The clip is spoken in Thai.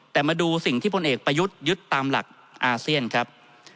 แต่มาดูสิ่งที่พลเอกประยุทธ์ยึดตามหลักอาเซียนครับ